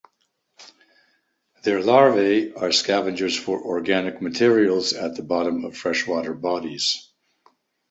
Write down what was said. Their larvae are scavengers for organic materials at the bottom of freshwater bodies.